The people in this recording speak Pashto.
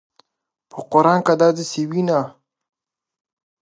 موږ باید د عمل خلک اوسو.